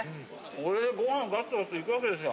これでご飯ガツガツいくわけですよ。